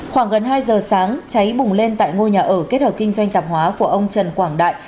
khoảng gần hai giờ sáng cháy bùng lên tại ngôi nhà ở kết hợp kinh doanh tạp hóa của ông trần quảng đại